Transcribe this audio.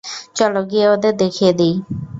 চলো গিয়ে ওদের দেখিয়ে দিই।